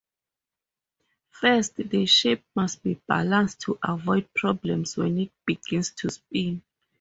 First, the shape must be balanced to avoid problems when it begins to spin.